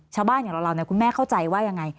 อย่างเราคุณแม่เข้าใจว่ายังไง